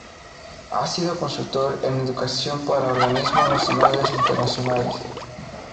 Ha sido consultor en educación para organismos nacionales e internacionales.